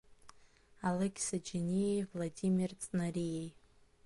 Алықьса Џьениеи Владимир Ҵнариеи…